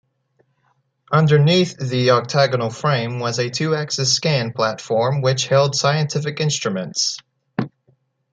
Underneath the octagonal frame was a two-axis scan platform which held scientific instruments.